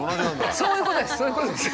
そういうことです。